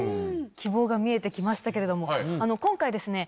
希望が見えて来ましたけれども今回ですね。